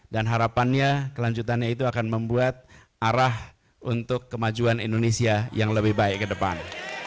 dan harapannya kelanjutannya itu akan membuat arah untuk kemajuan indonesia yang lebih baik ke depan